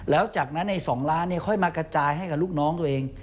แล้วจากนั้นใน๒ล้านค่อยมากระจายให้กับลูกน้องตัวเอง